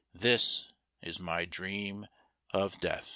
This is my dream of Death.